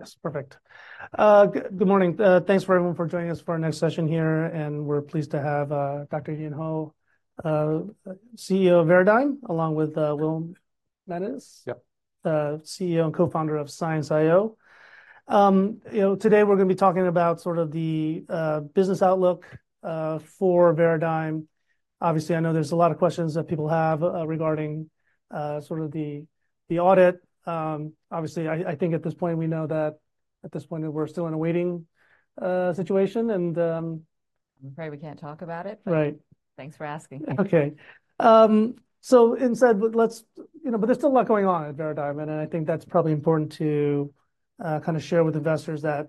Yes, perfect. Good morning. Thanks for everyone for joining us for our next session here, and we're pleased to have Dr. Yin Ho, CEO of Veradigm, along with Will Manidis? Yep. CEO and co-founder of ScienceIO. You know, today we're going to be talking about sort of the business outlook for Veradigm. Obviously, I know there's a lot of questions that people have regarding sort of the audit. Obviously, I think at this point, we know that at this point, we're still in a waiting situation, and I'm afraid we can't talk about it. Right. Thanks for asking. Okay, so instead, let's, you know, but there's still a lot going on at Veradigm, and I think that's probably important to kind of share with investors that,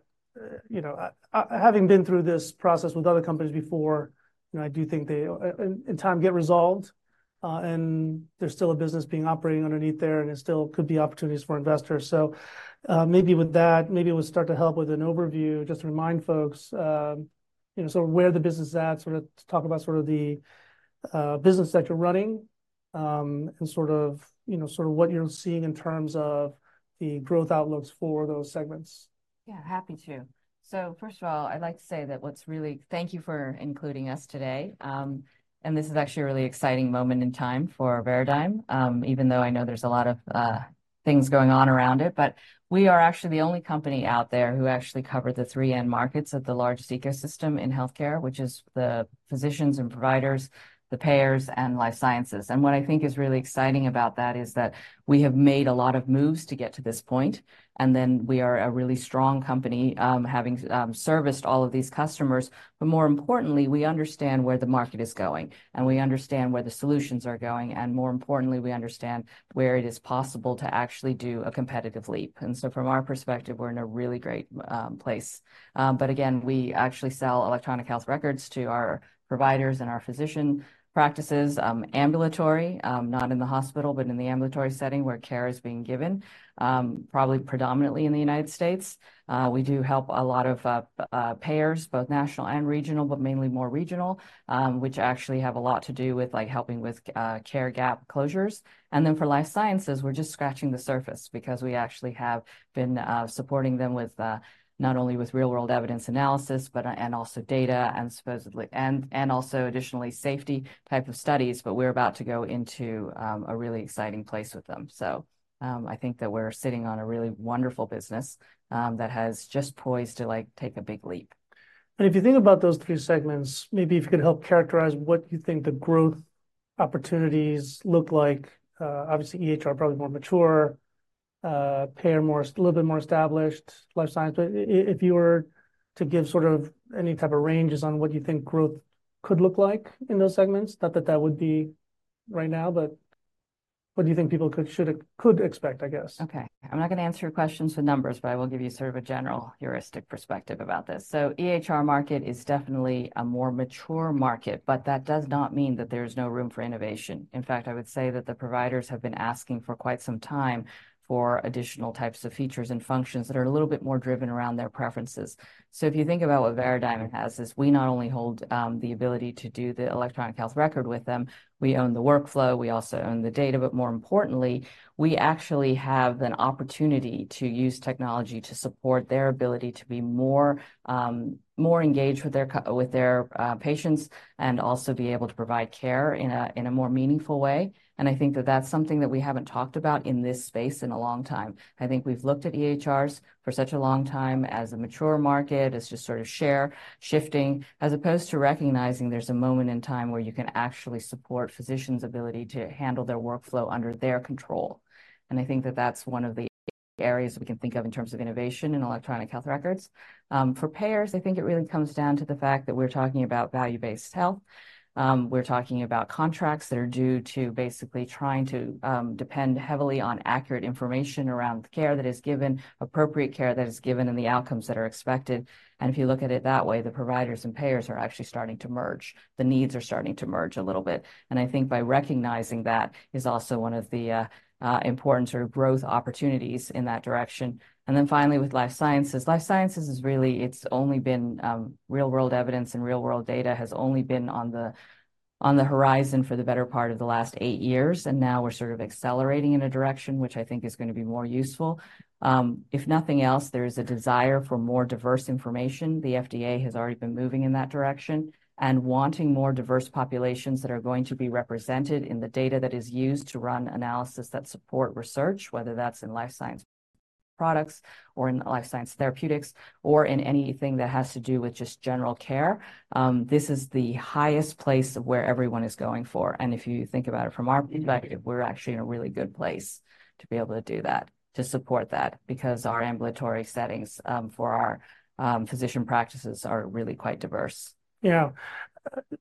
you know, having been through this process with other companies before, you know, I do think they, in time, get resolved. And there's still a business being operating underneath there, and there still could be opportunities for investors. So, maybe with that, maybe we'll start to help with an overview, just to remind folks, you know, sort of where the business is at, sort of to talk about sort of the business that you're running, and sort of, you know, sort of what you're seeing in terms of the growth outlooks for those segments. Yeah, happy to. So first of all, I'd like to say that what's really. Thank you for including us today. And this is actually a really exciting moment in time for Veradigm, even though I know there's a lot of things going on around it. But we are actually the only company out there who actually cover the three end markets of the largest ecosystem in healthcare, which is the physicians and providers, the payers, and life sciences. And what I think is really exciting about that is that we have made a lot of moves to get to this point, and then we are a really strong company, having serviced all of these customers. But more importantly, we understand where the market is going, and we understand where the solutions are going, and more importantly, we understand where it is possible to actually do a competitive leap. And so from our perspective, we're in a really great place. But again, we actually sell electronic health records to our providers and our physician practices, ambulatory, not in the hospital, but in the ambulatory setting where care is being given, probably predominantly in the United States. We do help a lot of payers, both national and regional, but mainly more regional, which actually have a lot to do with, like, helping with care gap closures. For life sciences, we're just scratching the surface because we actually have been supporting them with not only real-world evidence analysis, but also data, and also additionally, safety type of studies, but we're about to go into a really exciting place with them. So, I think that we're sitting on a really wonderful business that has just poised to, like, take a big leap. And if you think about those three segments, maybe if you could help characterize what you think the growth opportunities look like. Obviously, EHR, probably more mature, payer, more, a little bit more established, life science. But if you were to give sort of any type of ranges on what you think growth could look like in those segments, not that that would be right now, but what do you think people could, should, could expect, I guess? Okay, I'm not going to answer your questions with numbers, but I will give you sort of a general heuristic perspective about this. EHR market is definitely a more mature market, but that does not mean that there is no room for innovation. In fact, I would say that the providers have been asking for quite some time for additional types of features and functions that are a little bit more driven around their preferences. So if you think about what Veradigm has, is we not only hold the ability to do the electronic health record with them, we own the workflow, we also own the data, but more importantly, we actually have an opportunity to use technology to support their ability to be more, more engaged with their patients, and also be able to provide care in a more meaningful way. I think that that's something that we haven't talked about in this space in a long time. I think we've looked at EHRs for such a long time as a mature market, as just sort of share shifting, as opposed to recognizing there's a moment in time where you can actually support physicians' ability to handle their workflow under their control. I think that that's one of the areas we can think of in terms of innovation in electronic health records. For payers, I think it really comes down to the fact that we're talking about value-based health. We're talking about contracts that are due to basically trying to depend heavily on accurate information around the care that is given, appropriate care that is given, and the outcomes that are expected. If you look at it that way, the providers and payers are actually starting to merge. The needs are starting to merge a little bit, and I think by recognizing that is also one of the important sort of growth opportunities in that direction. Then finally, with life sciences. Life sciences is really, it's only been real-world evidence and real-world data has only been on the horizon for the better part of the last 8 years, and now we're sort of accelerating in a direction which I think is going to be more useful. If nothing else, there is a desire for more diverse information. The FDA has already been moving in that direction and wanting more diverse populations that are going to be represented in the data that is used to run analysis that support research, whether that's in life science products or in life science therapeutics, or in anything that has to do with just general care. This is the highest place where everyone is going for, and if you think about it from our perspective, we're actually in a really good place to be able to do that, to support that, because our ambulatory settings, for our, physician practices are really quite diverse. Yeah.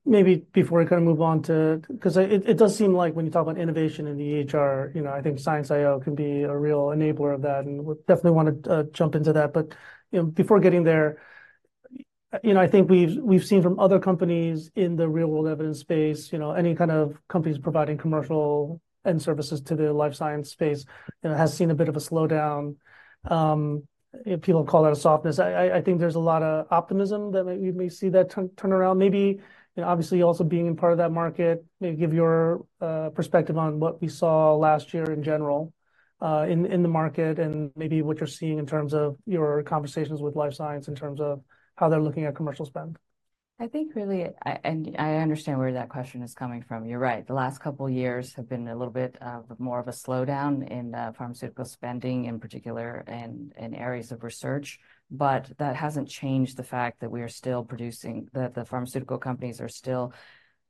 Maybe before we kind of move on to, 'Cause it does seem like when you talk about innovation in the EHR, you know, I think ScienceIO can be a real enabler of that, and we'll definitely want to jump into that. But, you know, before getting there, you know, I think we've seen from other companies in the real-world evidence space, you know, any kind of companies providing commercial end services to the life science space, you know, has seen a bit of a slowdown. If people call that a softness, I think there's a lot of optimism that we may see that turn around. Maybe, you know, obviously, also being part of that market, maybe give your perspective on what we saw last year in general, in the market, and maybe what you're seeing in terms of your conversations with life science, in terms of how they're looking at commercial spend. I think really, I and I understand where that question is coming from. You're right, the last couple of years have been a little bit more of a slowdown in pharmaceutical spending, in particular, in areas of research. But that hasn't changed the fact that we are still producing, that the pharmaceutical companies are still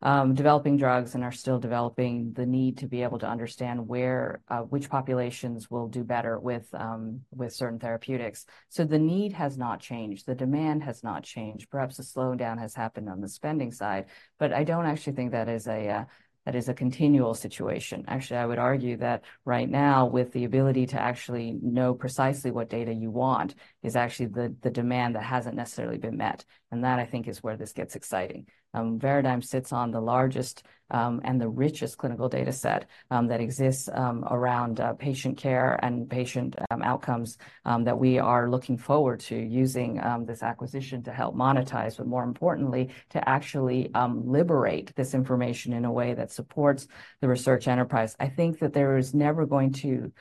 developing drugs and are still developing the need to be able to understand where which populations will do better with certain therapeutics. So the need has not changed, the demand has not changed. Perhaps a slowdown has happened on the spending side, but I don't actually think that is a continual situation. Actually, I would argue that right now, with the ability to actually know precisely what data you want, is actually the demand that hasn't necessarily been met, and that, I think, is where this gets exciting. Veradigm sits on the largest, and the richest clinical data set, that exists, around, patient care and patient, outcomes, that we are looking forward to using, this acquisition to help monetize, but more importantly, to actually, liberate this information in a way that supports the research enterprise. I think that there is never going to,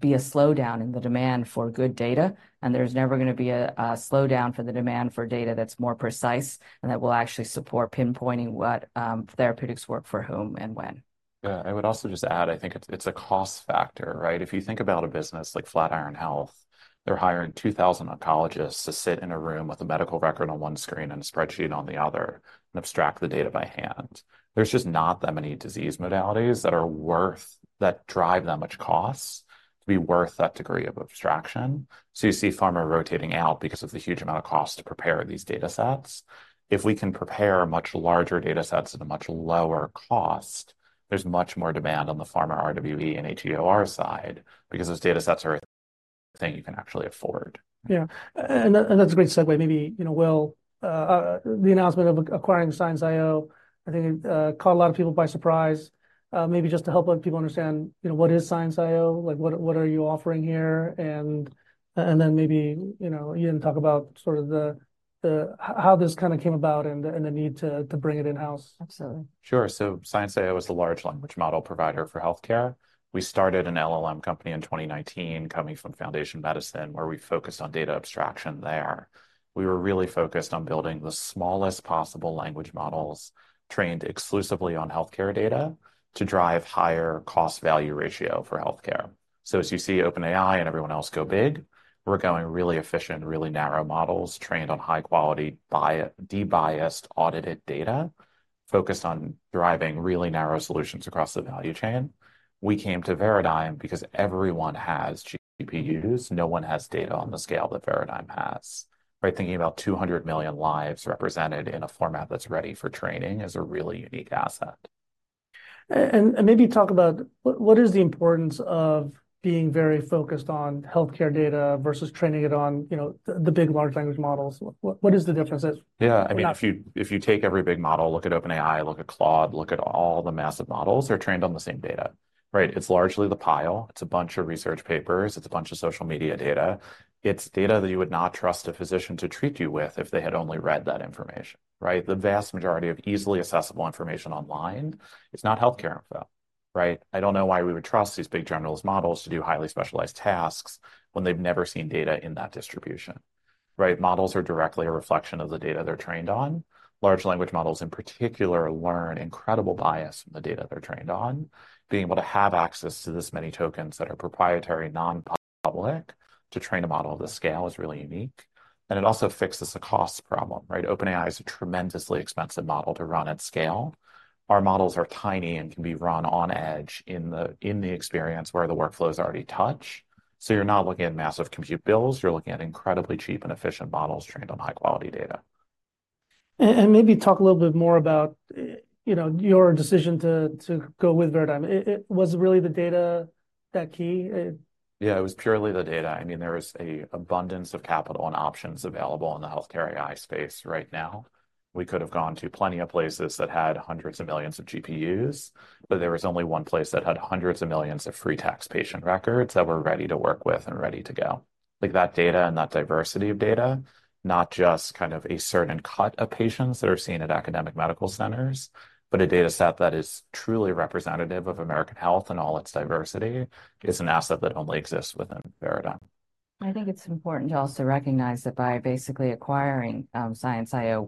be a slowdown in the demand for good data, and there's never gonna be a slowdown for the demand for data that's more precise and that will actually support pinpointing what, therapeutics work for whom and when. Yeah, I would also just add, I think it's, it's a cost factor, right? If you think about a business like Flatiron Health, they're hiring 2,000 oncologists to sit in a room with a medical record on one screen and a spreadsheet on the other, and abstract the data by hand. There's just not that many disease modalities that are worth that drive that much cost to be worth that degree of abstraction. So you see pharma rotating out because of the huge amount of cost to prepare these data sets. If we can prepare much larger data sets at a much lower cost, there's much more demand on the pharma RWE and HEOR side because those data sets are a thing you can actually afford. Yeah, and that's a great segue. Maybe, you know, Will, the announcement of acquiring ScienceIO, I think, caught a lot of people by surprise. Maybe just to help people understand, you know, what is ScienceIO? Like, what are you offering here? And then maybe, you know, you can talk about sort of the how this kind of came about and the need to bring it in-house. Absolutely. Sure. So ScienceIO is a large language model provider for healthcare. We started an LLM company in 2019, coming from Foundation Medicine, where we focused on data abstraction there. We were really focused on building the smallest possible language models, trained exclusively on healthcare data, to drive higher cost-value ratio for healthcare. So as you see, OpenAI and everyone else go big, we're going really efficient, really narrow models, trained on high-quality bio-debiased, audited data, focused on driving really narrow solutions across the value chain. We came to Veradigm because everyone has GPUs, no one has data on the scale that Veradigm has, right? Thinking about 200 million lives represented in a format that's ready for training is a really unique asset. And maybe talk about what is the importance of being very focused on healthcare data versus training it on, you know, the big large language models? What is the difference it- Yeah, I mean, if you, if you take every big model, look at OpenAI, look at Claude, look at all the massive models, they're trained on the same data, right? It's largely The Pile. It's a bunch of research papers. It's a bunch of social media data. It's data that you would not trust a physician to treat you with if they had only read that information, right? The vast majority of easily accessible information online is not healthcare info, right? I don't know why we would trust these big generalist models to do highly specialized tasks when they've never seen data in that distribution, right? Models are directly a reflection of the data they're trained on. Large language models, in particular, learn incredible bias from the data they're trained on. Being able to have access to this many tokens that are proprietary, non-public, to train a model of this scale is really unique, and it also fixes the cost problem, right? OpenAI is a tremendously expensive model to run at scale. Our models are tiny and can be run on edge in the experience where the workflows already touch. So you're not looking at massive compute bills, you're looking at incredibly cheap and efficient models trained on high-quality data. And maybe talk a little bit more about, you know, your decision to go with Veradigm. Was it really the data that key? Yeah, it was purely the data. I mean, there is an abundance of capital and options available in the healthcare AI space right now. We could have gone to plenty of places that had hundreds of millions of GPUs, but there was only one place that had hundreds of millions of free text patient records that were ready to work with and ready to go. Like, that data and that diversity of data, not just kind of a certain cut of patients that are seen at academic medical centers, but a data set that is truly representative of American health and all its diversity, is an asset that only exists within Veradigm. I think it's important to also recognize that by basically acquiring ScienceIO,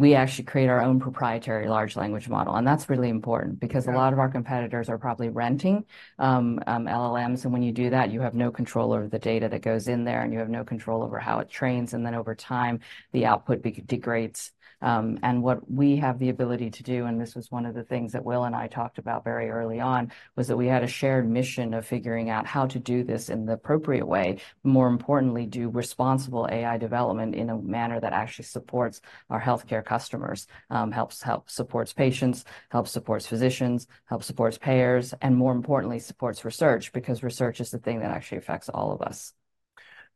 we actually create our own proprietary large language model. And that's really important because a lot of our competitors are probably renting LLMs, and when you do that, you have no control over the data that goes in there, and you have no control over how it trains, and then over time, the output degrades. And what we have the ability to do, and this was one of the things that Will and I talked about very early on, was that we had a shared mission of figuring out how to do this in the appropriate way. More importantly, do responsible AI development in a manner that actually supports our healthcare customers, helps, helps supports patients, helps supports physicians, helps supports payers, and more importantly, supports research, because research is the thing that actually affects all of us.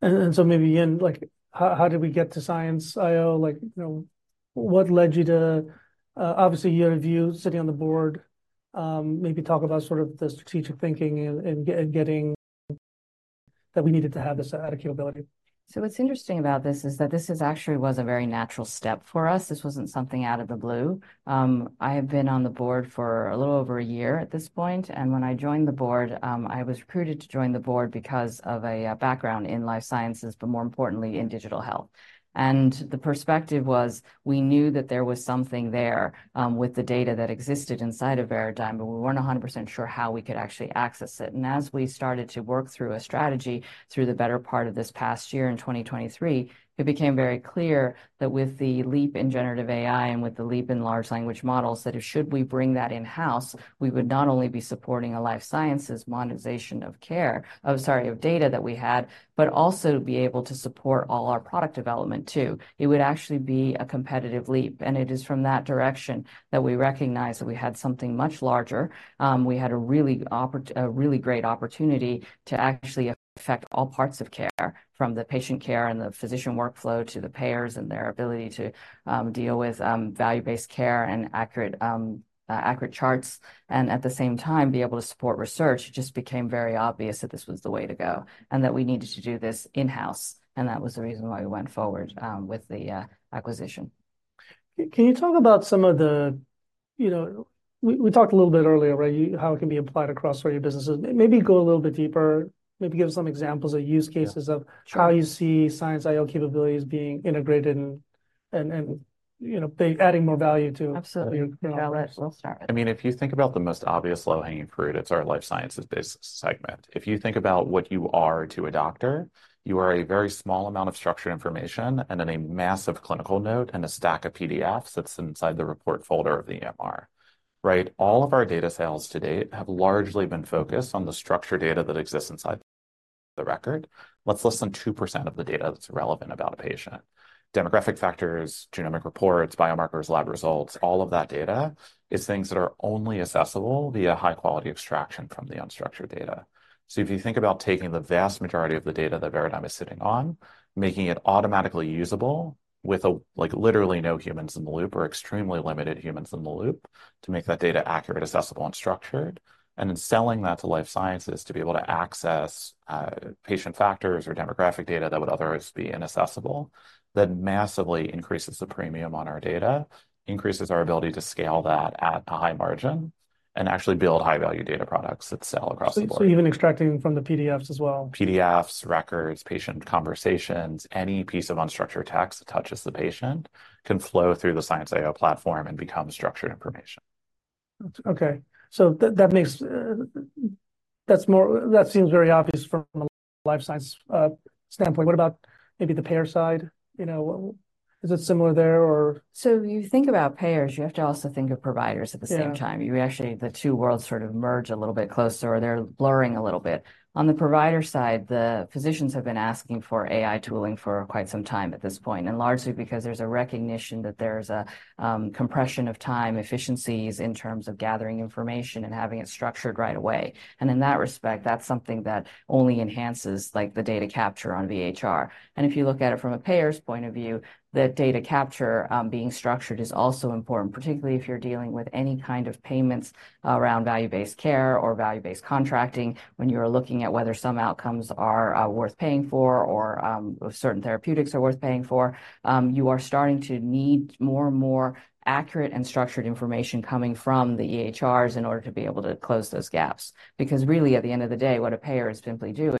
And so maybe, again, like, how did we get to ScienceIO? Like, you know, what led you to. Obviously, you had a view sitting on the board. Maybe talk about sort of the strategic thinking and getting that we needed to have this added capability? What's interesting about this is that this is actually was a very natural step for us. This wasn't something out of the blue. I have been on the board for a little over a year at this point, and when I joined the board, I was recruited to join the board because of a background in life sciences, but more importantly, in digital health. And the perspective was, we knew that there was something there with the data that existed inside of Veradigm, but we weren't 100% sure how we could actually access it. And as we started to work through a strategy through the better part of this past year, in 2023, it became very clear that with the leap in generative AI and with the leap in large language models, that if should we bring that in-house, we would not only be supporting a life sciences monetization of care, oh, sorry, of data that we had, but also be able to support all our product development too. It would actually be a competitive leap, and it is from that direction that we recognized that we had something much larger. We had a really great opportunity to actually affect all parts of care, from the patient care and the physician workflow to the payers and their ability to deal with value-based care and accurate charts and at the same time, be able to support research. It just became very obvious that this was the way to go, and that we needed to do this in-house, and that was the reason why we went forward with the acquisition. Can you talk about some of the, we talked a little bit earlier, right? How it can be applied across various businesses. Maybe go a little bit deeper. Maybe give some examples of use cases of how you see ScienceIO capabilities being integrated and, you know, they adding more value to your offerings. Yeah, let's, well, start. I mean, if you think about the most obvious low-hanging fruit, it's our life sciences-based segment. If you think about what you are to a doctor, you are a very small amount of structured information, and then a massive clinical note and a stack of PDFs that's inside the report folder of the EMR, right? All of our data sales to date have largely been focused on the structured data that exists inside the record. That's less than 2% of the data that's relevant about a patient. Demographic factors, genomic reports, biomarkers, lab results, all of that data is things that are only accessible via high-quality extraction from the unstructured data. So if you think about taking the vast majority of the data that Veradigm is sitting on, making it automatically usable with, like, literally no humans in the loop or extremely limited humans in the loop, to make that data accurate, accessible, and structured. And then selling that to life sciences to be able to access, patient factors or demographic data that would otherwise be inaccessible, that massively increases the premium on our data, increases our ability to scale that at a high margin, and actually build high-value data products that sell across the board. So, even extracting from the PDFs as well? PDFs, records, patient conversations, any piece of unstructured text that touches the patient can flow through the ScienceIO platform and become structured information. Okay, so that makes, that's more. That seems very obvious from a life science standpoint. What about maybe the payer side? You know, is it similar there, or? When you think about payers, you have to also think of providers at the same time. You actually. The two worlds sort of merge a little bit closer, or they're blurring a little bit. On the provider side, the physicians have been asking for AI tooling for quite some time at this point, and largely because there's a compression of time efficiencies in terms of gathering information and having it structured right away. And in that respect, that's something that only enhances, like, the data capture on the EHR. And if you look at it from a payer's point of view, the data capture being structured is also important, particularly if you're dealing with any kind of payments around value-based care or value-based contracting. When you are looking at whether some outcomes are worth paying for or certain therapeutics are worth paying for, you are starting to need more and more accurate and structured information coming from the EHRs in order to be able to close those gaps. Because really, at the end of the day, what a payer is simply doing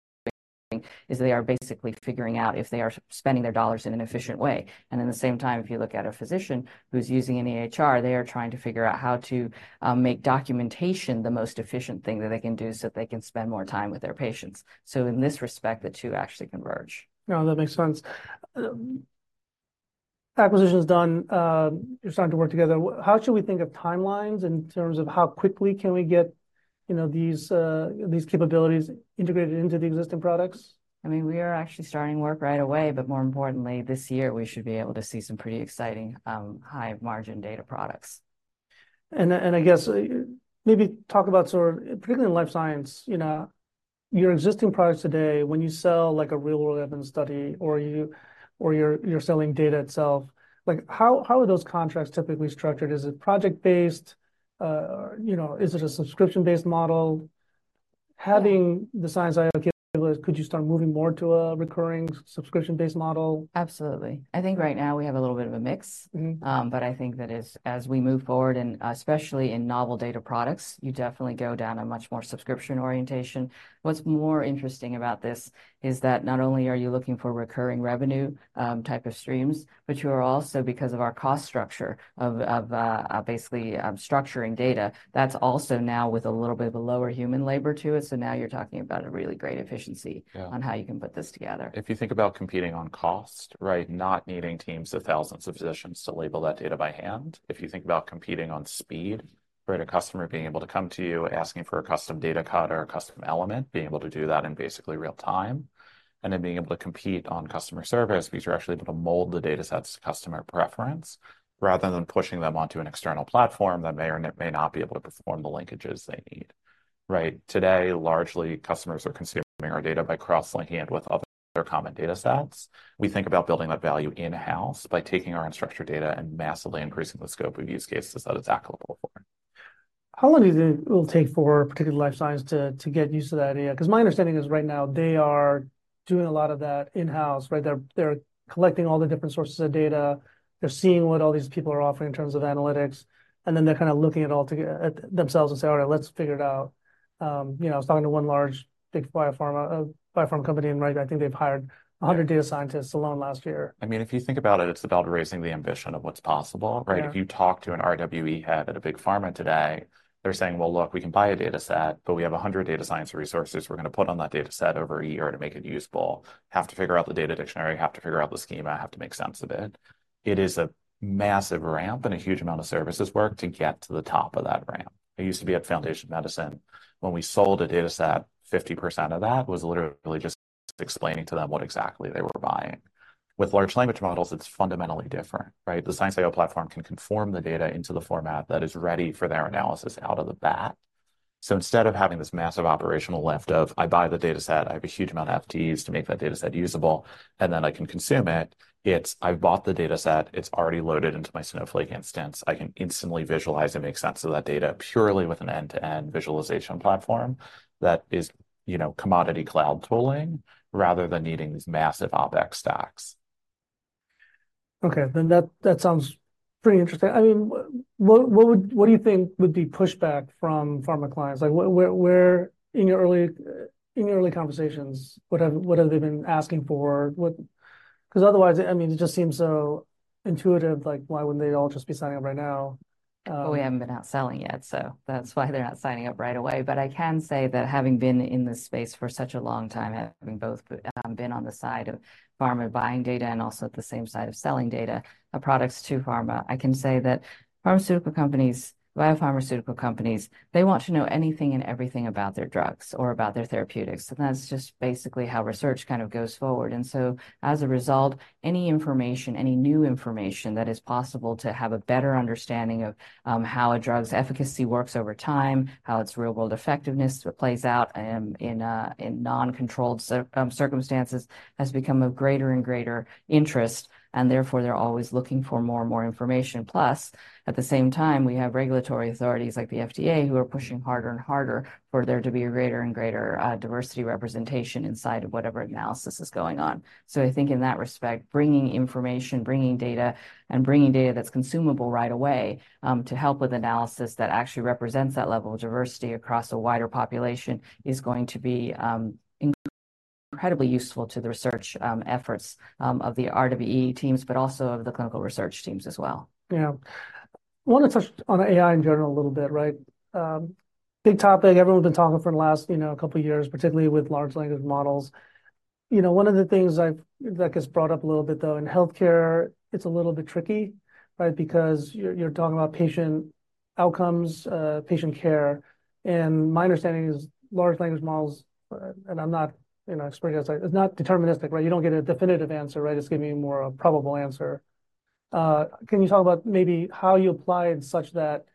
is they are basically figuring out if they are spending their dollars in an efficient way. And at the same time, if you look at a physician who's using an EHR, they are trying to figure out how to make documentation the most efficient thing that they can do, so that they can spend more time with their patients. So in this respect, the two actually converge. No, that makes sense. Acquisition's done, you're starting to work together. How should we think of timelines in terms of how quickly can we get, you know, these, these capabilities integrated into the existing products? I mean, we are actually starting work right away, but more importantly, this year we should be able to see some pretty exciting, high-margin data products. I guess, maybe talk about sort of, particularly in life science, you know, your existing products today, when you sell, like, a real-world evidence study or you're selling data itself, like, how are those contracts typically structured? Is it project based? You know, is it a subscription-based model. Having the ScienceIO capabilities, could you start moving more to a recurring subscription-based model? Absolutely. I think right now we have a little bit of a mix. But I think that as we move forward, and especially in novel data products, you definitely go down a much more subscription orientation. What's more interesting about this is that not only are you looking for recurring revenue type of streams, but you are also, because of our cost structure, basically, structuring data, that's also now with a little bit of a lower human labor to it. So now you're talking about a really great efficiency on how you can put this together. If you think about competing on cost, right? Not needing teams of thousands of physicians to label that data by hand. If you think about competing on speed, right? A customer being able to come to you, asking for a custom data cut or a custom element, being able to do that in basically real time. And then being able to compete on customer service because you're actually able to mold the datasets to customer preference, rather than pushing them onto an external platform that may or may not be able to perform the linkages they need, right? Today, largely, customers are consuming our data by cross-linking it with other common datasets. We think about building that value in-house by taking our unstructured data and massively increasing the scope of use cases that it's applicable for. How long do you think it will take for particular life science to get used to that idea? 'Cause my understanding is right now they are doing a lot of that in-house, right? They're collecting all the different sources of data. They're seeing what all these people are offering in terms of analytics, and then they're kinda looking at all together at themselves and say, "All right, let's figure it out." You know, I was talking to one large big biopharma company, and right, I think they've hired 100 data scientists alone last year. I mean, if you think about it, it's about raising the ambition of what's possible, right? If you talk to an RWE head at a big pharma today, they're saying: "Well, look, we can buy a dataset, but we have 100 data science resources we're gonna put on that dataset over a year to make it useful. Have to figure out the data dictionary, have to figure out the schema, have to make sense of it." It is a massive ramp and a huge amount of services work to get to the top of that ramp. I used to be at Foundation Medicine. When we sold a dataset, 50% of that was literally just explaining to them what exactly they were buying. With large language models, it's fundamentally different, right? The ScienceIO platform can conform the data into the format that is ready for their analysis out of the box. So instead of having this massive operational lift of, I buy the dataset, I have a huge amount of FTEs to make that dataset usable, and then I can consume it, it's I've bought the dataset, it's already loaded into my Snowflake instance. I can instantly visualize and make sense of that data purely with an end-to-end visualization platform that is, you know, commodity cloud tooling, rather than needing these massive OpEx stacks. Okay, then that sounds pretty interesting. What do you think would be pushback from pharma clients? Like, where in your early conversations, what have they been asking for? 'Cause otherwise, I mean, it just seems so intuitive, like, why wouldn't they all just be signing up right now? Well, we haven't been out selling yet, so that's why they're not signing up right away. But I can say that having been in this space for such a long time, having both been on the side of pharma buying data and also at the same side of selling data or products to pharma, I can say that pharmaceutical companies, biopharmaceutical companies, they want to know anything and everything about their drugs or about their therapeutics, and that's just basically how research kind of goes forward. And so, as a result, any information, any new information, that is possible to have a better understanding of how a drug's efficacy works over time, how its real-world effectiveness plays out in non-controlled circumstances, has become of greater and greater interest, and therefore, they're always looking for more and more information. Plus, at the same time, we have regulatory authorities like the FDA, who are pushing harder and harder for there to be a greater and greater diversity representation inside of whatever analysis is going on. So I think in that respect, bringing information, bringing data, and bringing data that's consumable right away, to help with analysis that actually represents that level of diversity across a wider population, is going to be incredibly useful to the research efforts of the RWE teams, but also of the clinical research teams as well. Yeah. I wanna touch on AI in general a little bit, right? Big topic, everyone's been talking about for the last, you know, couple of years, particularly with large language models. You know, one of the things that gets brought up a little bit, though, in healthcare, it's a little bit tricky, right? Because you're, you're talking about patient outcomes, patient care, and my understanding is large language models, and I'm not, you know, expert in this, it's not deterministic, right? You don't get a definitive answer, right? It's gonna be more a probable answer. Can you talk about maybe how you apply it such that,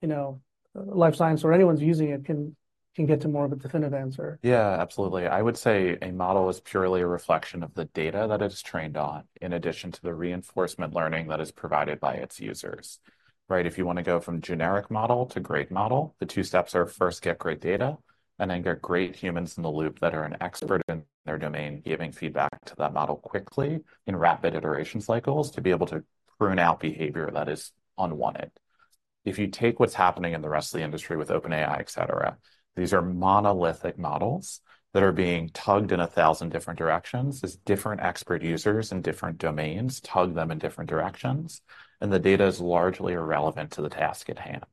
you know, life science or anyone who's using it can, can get to more of a definitive answer? Yeah, absolutely. I would say a model is purely a reflection of the data that it's trained on, in addition to the reinforcement learning that is provided by its users, right? If you wanna go from generic model to great model, the two steps are first, get great data, and then get great humans in the loop that are an expert in their domain, giving feedback to that model quickly in rapid iteration cycles, to be able to prune out behavior that is unwanted. If you take what's happening in the rest of the industry with OpenAI, et cetera, these are monolithic models that are being tugged in a thousand different directions. These different expert users in different domains tug them in different directions, and the data is largely irrelevant to the task at hand.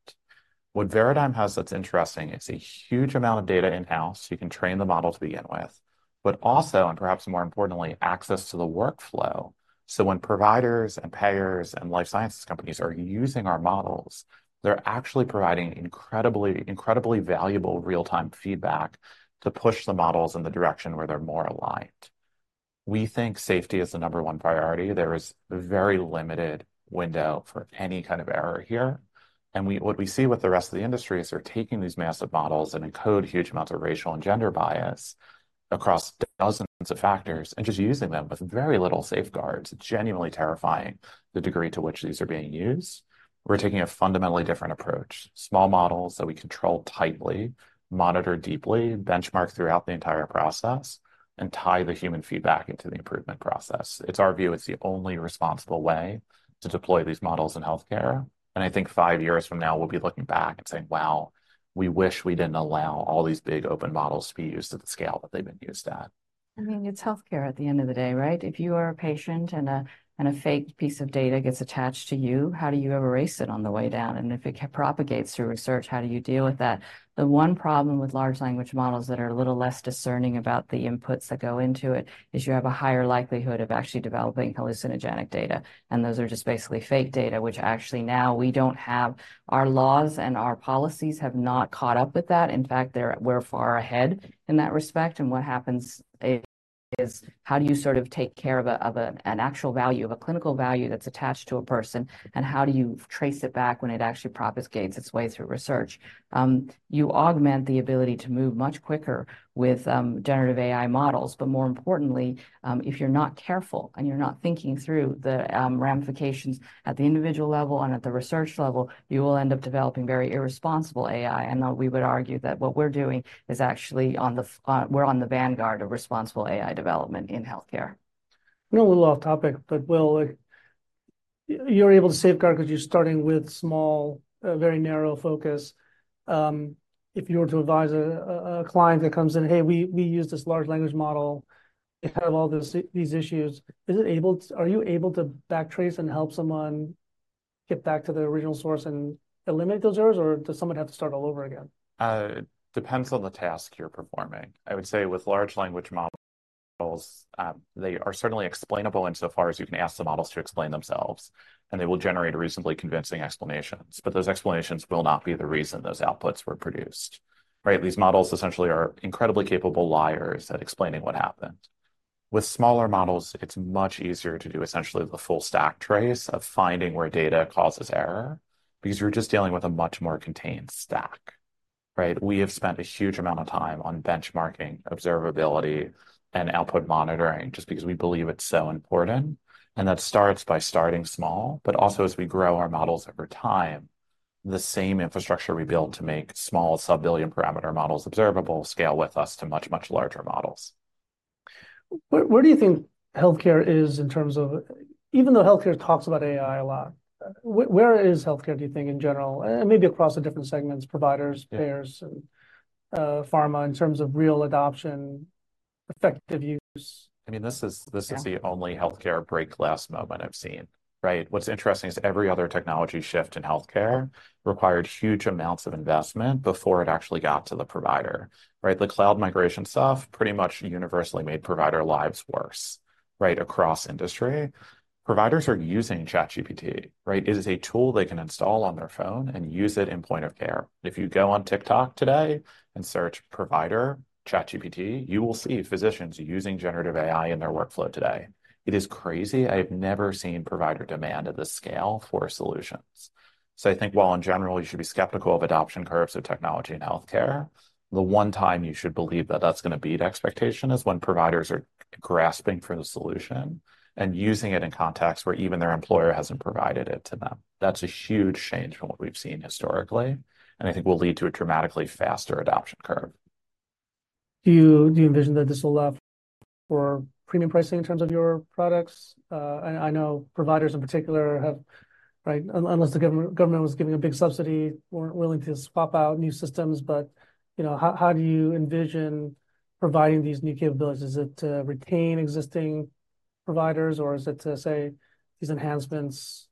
What Veradigm has that's interesting, it's a huge amount of data in-house, you can train the model to begin with, but also, and perhaps more importantly, access to the workflow. So when providers and payers and life sciences companies are using our models, they're actually providing incredibly, incredibly valuable real-time feedback to push the models in the direction where they're more aligned. We think safety is the number one priority. There is very limited window for any kind of error here, and we, what we see with the rest of the industry is they're taking these massive models and encode huge amounts of racial and gender bias across dozens of factors, and just using them with very little safeguards, genuinely terrifying the degree to which these are being used. We're taking a fundamentally different approach. Small models that we control tightly, monitor deeply, benchmark throughout the entire process, and tie the human feedback into the improvement process. It's our view, it's the only responsible way to deploy these models in healthcare, and I think five years from now, we'll be looking back and saying: "Wow, we wish we didn't allow all these big open models to be used at the scale that they've been used at. I mean, it's healthcare at the end of the day, right? If you are a patient and a fake piece of data gets attached to you, how do you ever erase it on the way down? And if it propagates through research, how do you deal with that? The one problem with large language models that are a little less discerning about the inputs that go into it, is you have a higher likelihood of actually developing hallucinogenic data, and those are just basically fake data, which actually now we don't have. Our laws and our policies have not caught up with that. In fact, we're far ahead in that respect, and what happens is how do you sort of take care of an actual value, of a clinical value that's attached to a person? How do you trace it back when it actually propagates its way through research? You augment the ability to move much quicker with generative AI models. But more importantly, if you're not careful, and you're not thinking through the ramifications at the individual level and at the research level, you will end up developing very irresponsible AI. And we would argue that what we're doing is actually, we're on the vanguard of responsible AI development in healthcare. You know, a little off topic, but well, like, you're able to safeguard 'cause you're starting with small, a very narrow focus. If you were to advise a client that comes in, "Hey, we used this large language model and have all these issues," are you able to backtrace and help someone get back to the original source and eliminate those errors, or does someone have to start all over again? It depends on the task you're performing. I would say with large language models, they are certainly explainable insofar as you can ask the models to explain themselves, and they will generate reasonably convincing explanations. But those explanations will not be the reason those outputs were produced, right? These models essentially are incredibly capable liars at explaining what happened. With smaller models, it's much easier to do essentially the full stack trace of finding where data causes error because you're just dealing with a much more contained stack, right? We have spent a huge amount of time on benchmarking, observability, and output monitoring just because we believe it's so important, and that starts by starting small. But also, as we grow our models over time, the same infrastructure we build to make small sub-billion parameter models observable scale with us to much, much larger models. Where do you think healthcare is in terms of, even though healthcare talks about AI a lot, where is healthcare, do you think, in general, and maybe across the different segments, providers payers, and, pharma, in terms of real adoption, effective use? I mean, this is the only healthcare break glass moment I've seen, right? What's interesting is that every other technology shift in healthcare required huge amounts of investment before it actually got to the provider, right? The cloud migration stuff pretty much universally made provider lives worse, right across industry. Providers are using ChatGPT, right? It is a tool they can install on their phone and use it in point of care. If you go on TikTok today and search provider ChatGPT, you will see physicians using generative AI in their workflow today. It is crazy. I have never seen provider demand at this scale for solutions. I think while in general you should be skeptical of adoption curves of technology in healthcare, the one time you should believe that that's gonna beat expectation is when providers are grasping for the solution and using it in contexts where even their employer hasn't provided it to them. That's a huge change from what we've seen historically, and I think will lead to a dramatically faster adoption curve. Do you envision that this will allow for premium pricing in terms of your products? I know providers, in particular have, right? Unless the government was giving a big subsidy, weren't willing to swap out new systems. But, you know, how do you envision providing these new capabilities? Is it to retain existing providers, or is it to say these enhancements?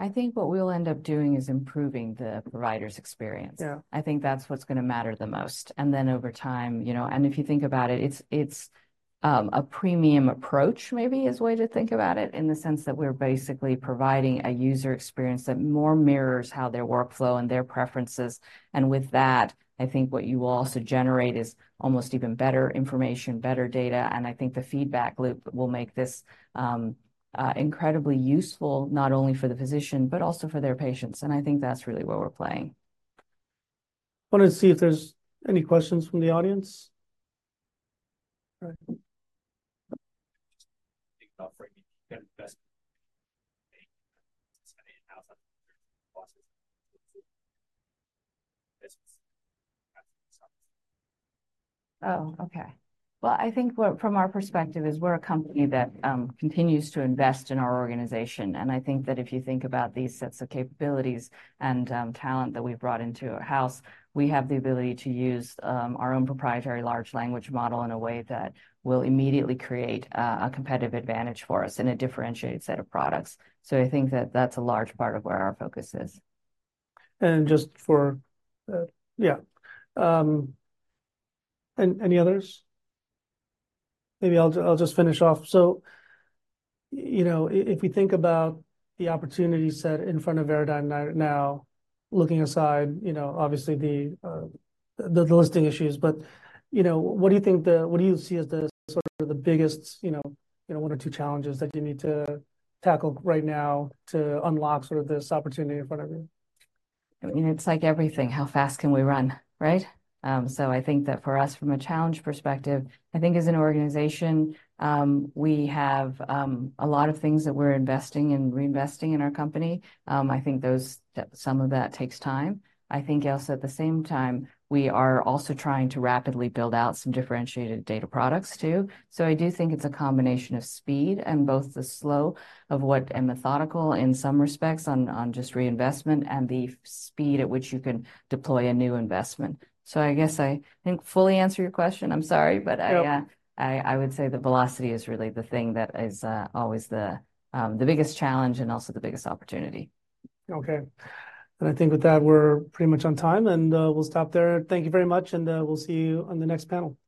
I think what we'll end up doing is improving the provider's experience. I think that's what's gonna matter the most, and then over time, you know. And if you think about it, it's a premium approach, maybe [that's] a way to think about it, in the sense that we're basically providing a user experience that more mirrors how their workflow and their preferences. And with that, I think what you will also generate is almost even better information, better data, and I think the feedback loop will make this incredibly useful, not only for the physician but also for their patients. And I think that's really where we're playing. Wanted to see if there's any questions from the audience? All right. Think about bringing the best. Oh, okay. Well, I think, well, from our perspective is we're a company that continues to invest in our organization, and I think that if you think about these sets of capabilities and talent that we've brought into our house, we have the ability to use our own proprietary large language model in a way that will immediately create a competitive advantage for us and a differentiated set of products. So I think that that's a large part of where our focus is. Any others? Maybe I'll just finish off. So, you know, if we think about the opportunity set in front of Veradigm now, looking aside, you know, obviously, the listing issues. But, you know, what do you think-- what do you see as the sort of biggest, you know, one or two challenges that you need to tackle right now to unlock sort of this opportunity in front of you? I mean, it's like everything: How fast can we run, right? So I think that for us, from a challenge perspective, I think as an organization, we have a lot of things that we're investing and reinvesting in our company. I think that some of that takes time. I think also, at the same time, we are also trying to rapidly build out some differentiated data products, too. So I do think it's a combination of speed and both the slow of what and methodical, in some respects, on just reinvestment and the speed at which you can deploy a new investment. So I guess I didn't fully answer your question. I'm sorry. No. I would say the velocity is really the thing that is always the biggest challenge and also the biggest opportunity. Okay, and I think with that, we're pretty much on time, and we'll stop there. Thank you very much, and we'll see you on the next panel.